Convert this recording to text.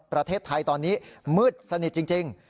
ประเทศไทยตอนนี้มืดสนิทจริง